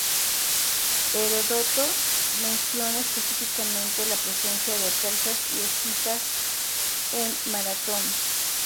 Heródoto menciona específicamente la presencia de persas y escitas en Maratón.